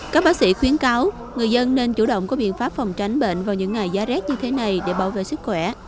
các bác sĩ khuyến cáo người dân nên chủ động có biện pháp phòng tránh bệnh vào những ngày giá rét như thế này để bảo vệ sức khỏe